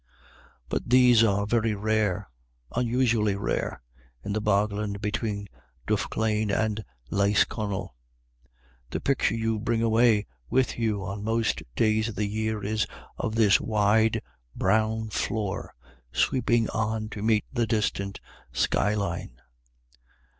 But these are very rare, unusually rare, in the bogland between Duffclane and Lisconnel. The picture you bring away* with you on most days of the year is of this wide brown floor, sweeping^on to meet the distant sky line.